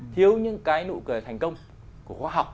thiếu những cái nụ cười thành công của khoa học